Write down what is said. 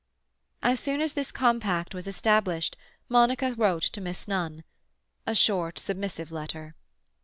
As soon as this compact was established Monica wrote to Miss Nunn. A short submissive letter.